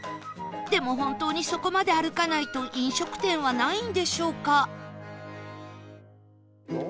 でも本当にそこまで歩かないと飲食店はないんでしょうか？